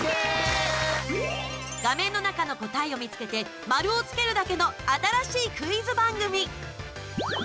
画面の中の答えを見つけて、丸をつけるだけの新しいクイズ番組。。